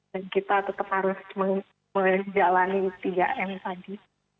dan kita tetap harus menjalani itu